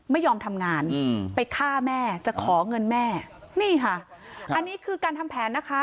ไม่ยอมทำงานไปฆ่าแม่จะขอเงินแม่นี่ค่ะอันนี้คือการทำแผนนะคะ